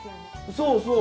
そうそう。